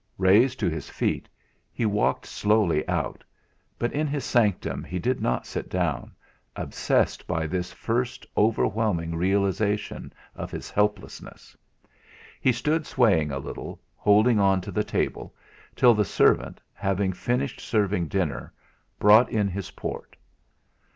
Raised to his feet, he walked slowly out; but in his sanctum he did not sit down, obsessed by this first overwhelming realisation of his helplessness. He stood swaying a little, holding on to the table, till the servant, having finished serving dinner, brought in his port.